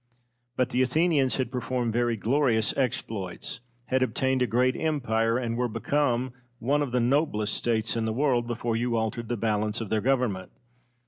But the Athenians had performed very glorious exploits, had obtained a great empire, and were become one of the noblest States in the world, before you altered the balance of their government.